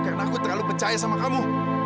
karena aku terlalu percaya sama kamu